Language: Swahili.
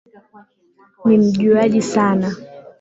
Ni mjuaji sana